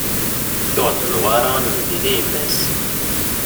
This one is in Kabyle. Tuɣ-d Newwara amendil i yemma-s.